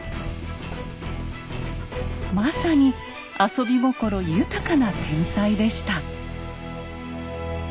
まさに遊び心豊かな天才でした。